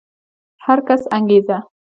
د هر کس انګېزه